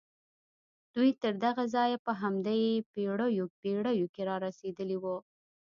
دوی تر دغه ځايه په همدې بېړيو کې را رسېدلي وو.